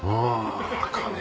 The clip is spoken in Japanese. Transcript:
赤ね。